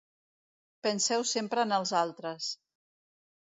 Penseu sempre en els altres.